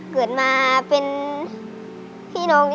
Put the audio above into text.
เชิญครับ